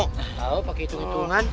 tau pake hitung hitungan